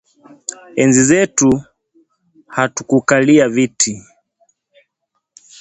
Enzi zetu hatukukalia viti